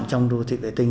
trong đô thị vệ tinh